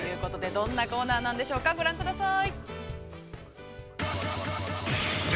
◆どんなコーナーなんでしょうか、ご覧ください。